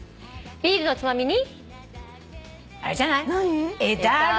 「ビールのつまみに」